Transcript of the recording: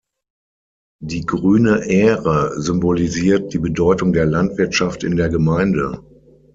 Die grüne Ähre symbolisiert die Bedeutung der Landwirtschaft in der Gemeinde.